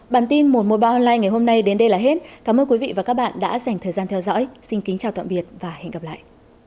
bản tin một trăm một mươi ba online ngày hôm nay đến đây là hết cảm ơn quý vị và các bạn đã dành thời gian theo dõi xin kính chào tạm biệt và hẹn gặp lại